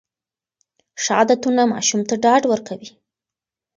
ښه عادتونه ماشوم ته ډاډ ورکوي.